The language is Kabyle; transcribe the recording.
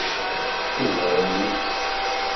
Ugaren-t.